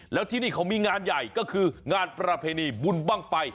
แล้วที่นี่เขามีงานใหญ่ก็คืองานประเพณีบุญบ้างไฟ